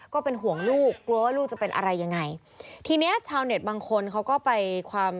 ก็เป็นห่วงลูกกลัวว่าลูกจะเป็นอะไรยังไงทีเนี้ยชาวเน็ตบางคนเขาก็ไปความ